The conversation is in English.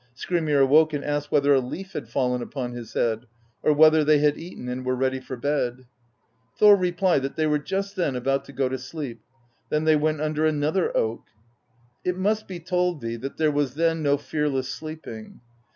Skrymir awoke, and asked whether a leaf had fallen upon his head; or whether they had eaten and were ready for bed? Thor replied that they were just then about to go to sleep; then they went under another oak. It must be told thee, that there was then no fearless sleeping.